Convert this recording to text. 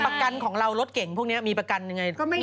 ประกันของเรารถเก่งพวกนี้มีประกันยังไง